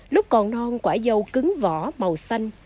lúc còn non quả dâu cứng vỏ màu xanh